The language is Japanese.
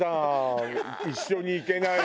一緒に行けない。